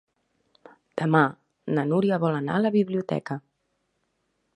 Demà na Núria vol anar a la biblioteca.